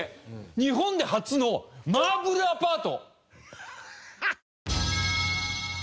「日本で最初のツートンアパート」。